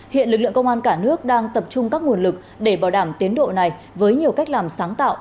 hiện lực lượng công an cả nước đang tập trung các nguồn lực để bảo đảm tiến độ này với nhiều cách làm sáng tạo